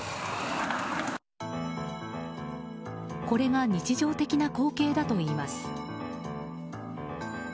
これが日常的な光景だといいます。